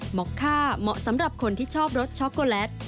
เหมาะค่าเหมาะสำหรับคนที่ชอบรสช็อกโกแลต